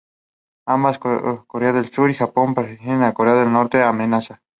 Ambas Corea del Sur y Japón perciben a Corea del Norte como amenaza.